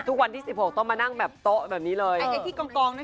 ทุกวันที่สิบหกต้องมานั่งแบบโต๊ะแบบนี้เลยไอที่กล่องกล่องน่ะ